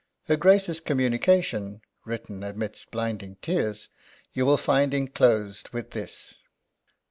Her Grace's communication written amidst blinding tears! you will find enclosed with this."